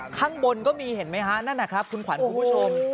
ข้างบนก็มีเห็นไหมฮะนั่นนะครับคุณขวัญคุณผู้ชม